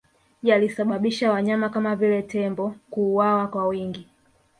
Yalisababisha wanyama kama vile tembo kuuawa kwa wingi